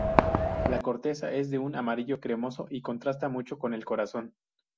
La corteza es de un amarillo cremoso y contrasta mucho con el corazón.